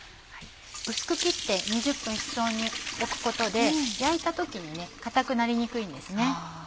薄く切って２０分室温に置くことで焼いた時に硬くなりにくいんですね。